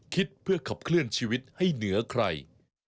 คิดเพื่อขับเคลื่อนชีวิตให้เหนือใคร